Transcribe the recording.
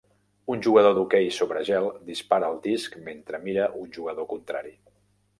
Un jugador d'hoquei sobre gel dispara el disc mentre mira un jugador contrari.